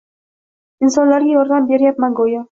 Insonlarga yordam beryapman go‘yo...